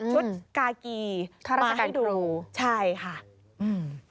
ชุดกากีมาให้ดูใช่ค่ะอืม